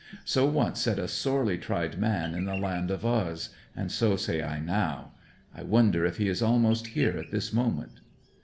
So once said a sorely tried man in the land of Uz, and so say I now! ... I wonder if he is almost here at this moment?'